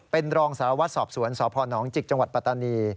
เป็นรองสาวัสตร์สอบสวนสนจิกจปตนี